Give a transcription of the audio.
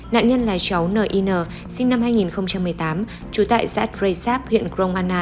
nạn nhân là cháu nin sinh năm hai nghìn một mươi tám chú tại zadreysab huyện gromana